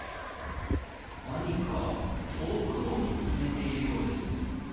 何か遠くを見つめているようです。